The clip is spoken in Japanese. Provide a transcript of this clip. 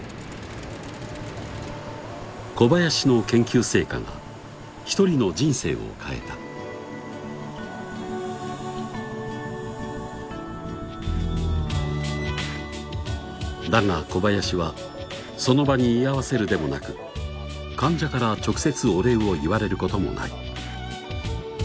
小林の研究成果が一人の人生を変えただが小林はその場に居合わせるでもなく患者から直接お礼を言われることもない